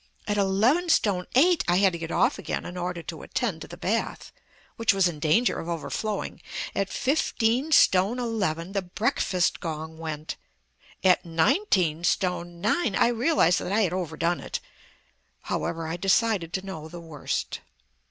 At eleven stone eight I had to get off again in order to attend to the bath, which was in danger of overflowing.... At fifteen stone eleven the breakfast gong went.... At nineteen stone nine I realized that I had overdone it. However I decided to know the worst.